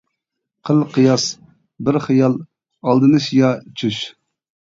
قىل قىياس بىر خىيال، ئالدىنىش يا چۈش.